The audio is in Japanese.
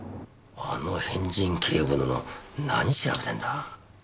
あの変人警部殿何調べてんだ？